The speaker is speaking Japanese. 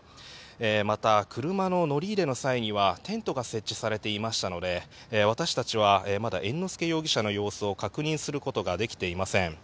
また車の乗り入れの際にはテントが設置されていましたので私たちはまだ猿之助容疑者の様子を確認することができていません。